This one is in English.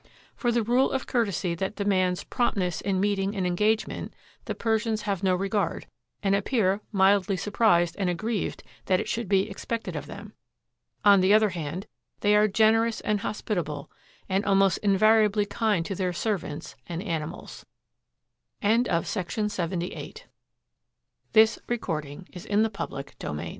For the rule of courtesy that demands prompt ness in meeting an engagement the Persians have no regard, and appear mildly surprised and aggrieved that it should be expected of them. On the other hand, they are generous and hospitable, and almost invariably kind to their servants and animals. HOW THE PERSIANS BUILD A HOUSE [About 1885] BY S. G. W. BENJAMIN It m